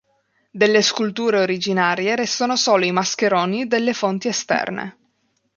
Delle sculture originarie restano solo i mascheroni delle fonti esterne.